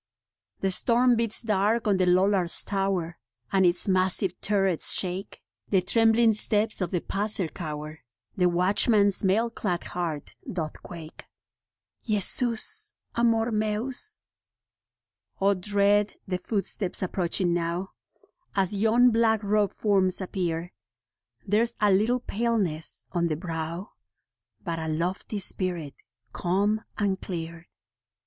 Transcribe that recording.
The storm beats dark on the Lollard's Tower, And its massive turrets shake ; The trembling steps of the passer cower, The watchman's mail clad heart doth quake. Jesus Amor Mens. O, dread the footsteps approaching now, As yon black robed forms appear : There's a little paleness on the brow, But a lofty spirit, calm and clear.